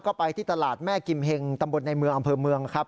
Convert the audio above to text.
ก็ไปที่ตลาดแม่กิมเฮงตำบลในเมืองอำเภอเมืองครับ